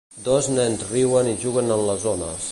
Dos nens riuen i juguen en les ones.